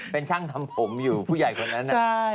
เป็นช่างทำผมอยู่ผู้ใหญ่คนนั้น